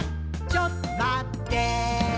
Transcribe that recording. ちょっとまってぇー」